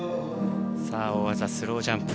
さあ大技スロージャンプ。